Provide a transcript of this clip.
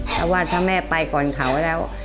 เพราะว่าถ้าแม่ไปก่อนเขาแล้ว